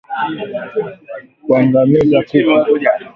Kuangamiza kupe